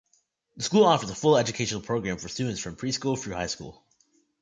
The school offers a full educational program for students from preschool through high school.